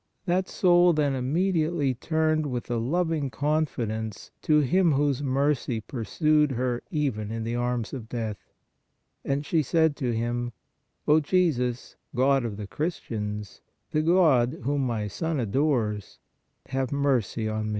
That soul then immediately turned with a loving confidence to Him, whose mercy pursued her even in the arms of death, and she said to Him : O Jesus, God of the Chris tians, the God whom my son adores, have mercy on me.